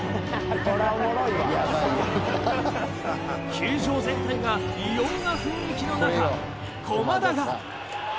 球場全体が異様な雰囲気のなか駒田が。